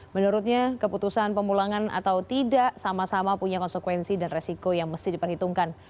menurutnya keputusan pemulangan atau tidak sama sama punya konsekuensi dan resiko yang mesti diperhitungkan